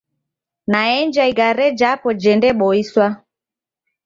Naenja igare japo jendeboiswa.